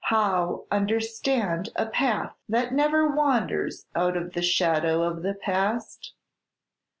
How understand a path that never wanders out of the shadow of the past?"